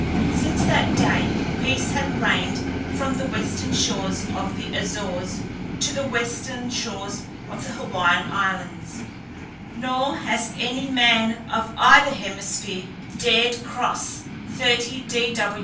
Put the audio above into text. Since that day peace had reigned from the western shores of the Azores to the western shores of the Hawaiian Islands, nor has any man of either hemisphere dared cross 30°W.